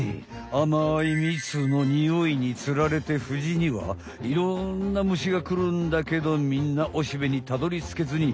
あまいみつのにおいにつられてフジにはいろんな虫がくるんだけどみんなオシベにたどりつけずに